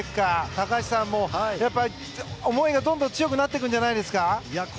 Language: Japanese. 高橋さんも思いがどんどん強くなっていくんじゃないんですか。